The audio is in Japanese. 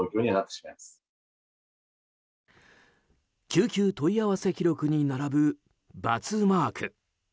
救急問い合わせ記録に並ぶ×マーク。